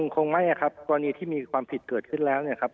คงไม่ครับกรณีที่มีความผิดเกิดขึ้นแล้วเนี่ยครับ